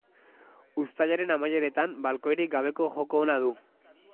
Uztaiaren amaieretan, baloirik gabeko joko ona du.